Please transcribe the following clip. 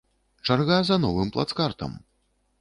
Чарга за новым плацкартам.